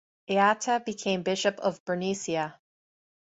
Eata became bishop of Bernicia.